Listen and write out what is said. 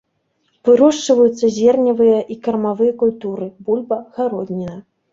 Вырошчваюцца зерневыя і кармавыя культуры, бульба, гародніна.